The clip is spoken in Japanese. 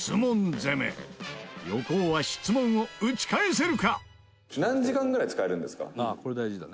攻め横尾は質問を打ち返せるか？